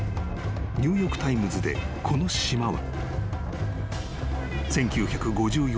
ニューヨーク・タイムズでこの島は］